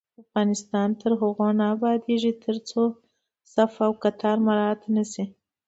افغانستان تر هغو نه ابادیږي، ترڅو صف او کتار مراعت نشي.